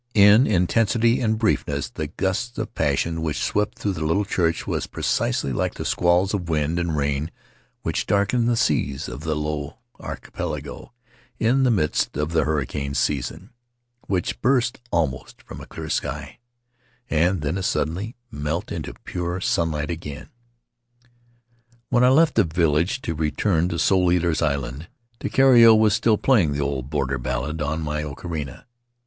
In intensity and briefness the gust of passion which swept through the little church was precisely like the squalls of wind and rain which darken the seas of the Low Archipelago in the midst of the hurricane season, which burst almost from a clear sky and then as suddenly melt into pure sunlight again. "When I left the village to return to Soul Eaters' Island Takiero was still playing the old border ballad on my ocharina.